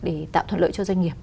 để tạo thuận lợi cho doanh nghiệp